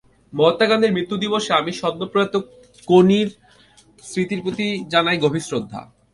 মহাত্মা গান্ধীর মৃত্যুদিবসে আমি সদ্য প্রয়াত কোনির স্মৃতির প্রতি জানাই গভীর শ্রদ্ধা।